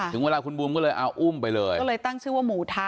ถึงเวลาคุณบูมก็เลยเอาอุ้มไปเลยก็เลยตั้งชื่อว่าหมูทะ